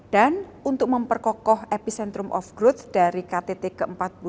untuk memperkokoh epicentrum of growth dari ktt ke empat puluh dua